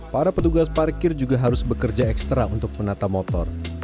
para petugas parkir juga harus bekerja ekstra untuk menata motor